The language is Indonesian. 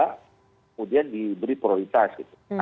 kemudian diberi prioritas